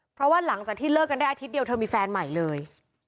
เพราะว่าหลังจากที่เลิกกันได้อาทิตย์เดียวเธอมีแฟนใหม่เลย